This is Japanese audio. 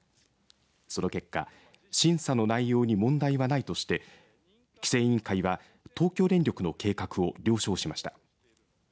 その結果審査の内容に問題はないとして規制委員会は東京電力の計画を了承しました。